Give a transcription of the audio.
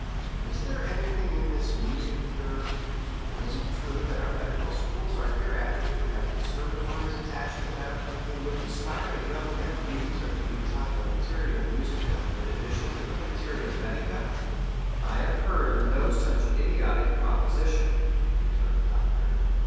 Is there anything in this music cure, and is it true that our medical schools are hereafter to have conservatories attached to them, in which aspiring young M.D.'s are to be taught the materia musica in addition to the materia medica?" "I had heard of no such idiotic proposition," returned the Doctor.